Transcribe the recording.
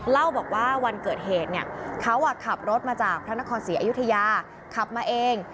เล่าบอกว่าวันเกิดเหตุเนี่ยเขาขับรถมาจากพระนครศรีอยุธยาขับมาเอง